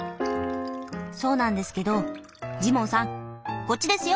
そうなんですけどジモンさんこっちですよ。